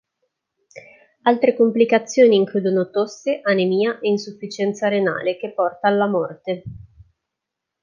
Altre complicazioni includono tosse, anemia e insufficienza renale che porta alla morte.